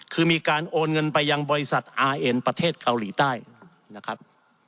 คือมีการโอนเงินไปยังบริษัทอาร์เอ็นประเทศเกาหลีใต้นะครับ